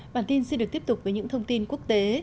bản tin sẽ được tiếp tục với những thông tin quốc tế